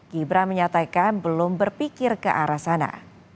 gibran menyatakan belum berpikir ke arah sana